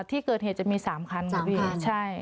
ที่เกิดเหตุจะมีสามคันสามคัน